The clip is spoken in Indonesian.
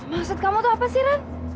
maksud kamu tuh apa sih rang